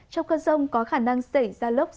trong cơn rông có khả năng xảy ra lốc